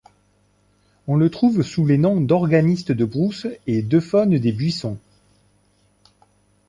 On le trouve sous les noms d'Organiste de brousse et d'Euphone des buissons.